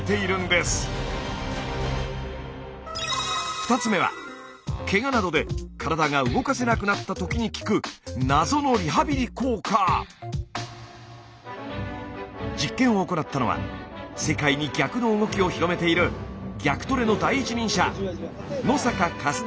２つ目はけがなどで体が動かせなくなったときに効く実験を行ったのは世界に「逆の動き」を広めている逆トレの第一人者